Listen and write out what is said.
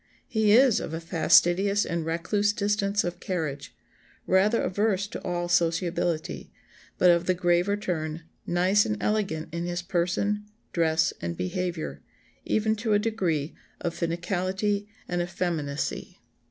He is of a fastidious and recluse distance of carriage, rather averse to all sociability, but of the graver turn, nice and elegant in his person, dress, and behaviour, even to a degree of finicality and effeminacy."